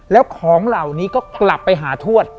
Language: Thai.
แล้วของเหล่านี้ก็กลับไปหาทวด